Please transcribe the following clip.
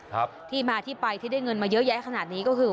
ครับที่มาที่ไปที่ได้เงินมาเยอะแยะขนาดนี้ก็คือ